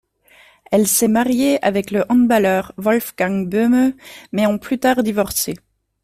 Elle s'est mariée avec le handballeur Wolfgang Böhme, mais ont plus tard divorcé.